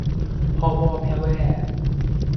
พ่อว่อแพ่แว่